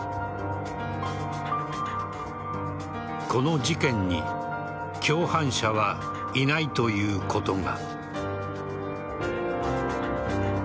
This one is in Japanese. この事件に共犯者はいないということが。